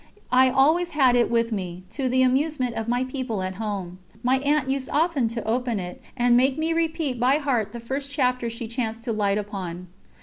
I always had it with me, to the amusement of my people at home. My aunt used often to open it, and make me repeat by heart the first chapter she chanced to light upon.